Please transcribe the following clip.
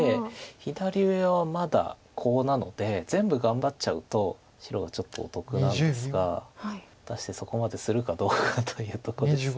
左上はまだコウなので全部頑張っちゃうと白がちょっと得なんですが果たしてそこまでするかどうかというとこです。